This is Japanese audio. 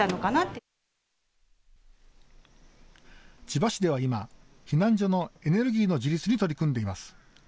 千葉市では今、避難所のエネルギーの自立に取り組んでいます。